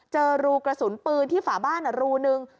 เจอรูกระสุนปืนที่ฝาบ้านรูนึง